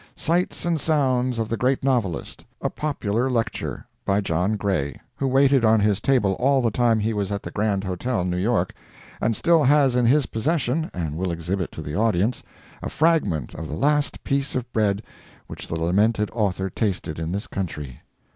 "Sights and Sounds of the Great Novelist." A popular lecture. By John Gray, who waited on his table all the time he was at the Grand Hotel, New York, and still has in his possession and will exhibit to the audience a fragment of the Last Piece of Bread which the lamented author tasted in this country."